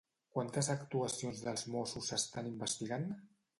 Quantes actuacions dels Mossos s'estan investigant?